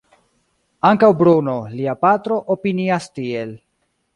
Ankaŭ Bruno, lia patro, opinias tiel.